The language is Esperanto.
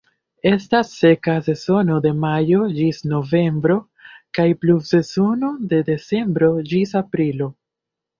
Estas seka sezono de majo ĝis novembro kaj pluvsezono de decembro ĝis aprilo.